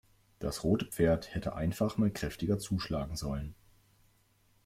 Das rote Pferd hätte einfach mal kräftiger zuschlagen sollen.